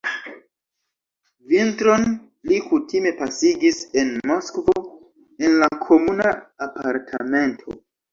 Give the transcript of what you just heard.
Vintron li kutime pasigis en Moskvo, en la komuna apartamento.